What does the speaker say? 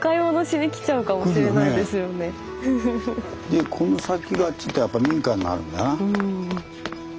でこの先がちょっとやっぱ民家になるんだな。